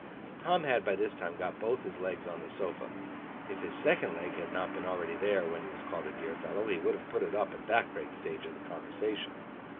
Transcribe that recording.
Tom had by this time got both his legs on the sofa. If his second leg had not been already there when he was called a dear fellow, he would have put it up at that great stage of the conversation.